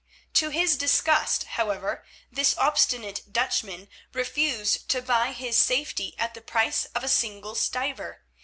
To his disgust, however, this obstinate Dutchman refused to buy his safety at the price of a single stiver.